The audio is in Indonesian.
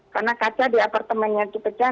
karena kaca di apartemennya itu pecahan